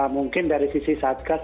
mungkin dari sisi satgas